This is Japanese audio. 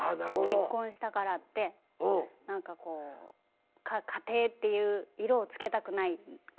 結婚したからって何かこう家庭っていう色を付けたくなかったらしく。